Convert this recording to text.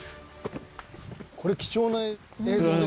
「これ貴重な映像ですよね」